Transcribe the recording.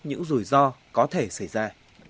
những rủi ro có thể xảy ra